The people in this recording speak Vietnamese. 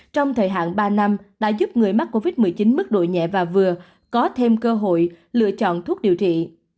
trong thời hạn ba năm đã giúp người mắc covid một mươi chín mức độ nhẹ và vừa có thêm cơ hội lựa chọn thuốc điều trị